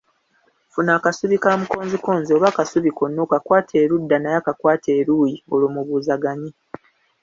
Funa akasubi ka mukonzikonzi oba akasubi konna okakwate erudda naye akakwate eruuyi, olwo mubuuzaganye.